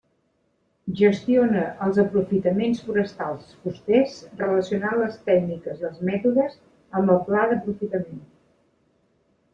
Gestiona els aprofitaments forestals fusters relacionant les tècniques i els mètodes amb el pla d'aprofitament.